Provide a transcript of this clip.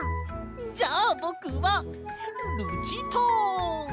じゃあぼくはルチタン！